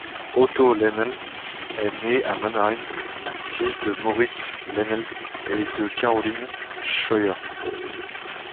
Otto Lenel est né à Mannheim, fils de Moritz Lenel et de Caroline Scheuer.